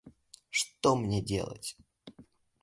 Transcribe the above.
Что мне делать?